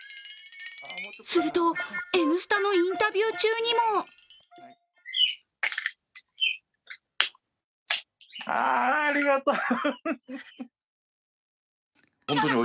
すると、「Ｎスタ」のインタビュー中にもあ、ありがとう。